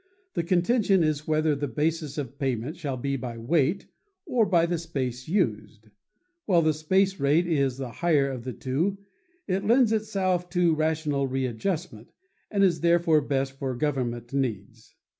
The contention is whether the basis of payment shall be by weight or by the space used. While the space rate is the higher of the two it lends itself to rational readjustment, and is therefore best for government needs.